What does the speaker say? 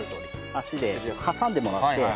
足で挟んでもらって。